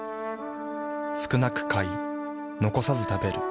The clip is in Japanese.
少なく買い残さず食べる。